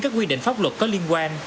các quy định pháp luật có liên quan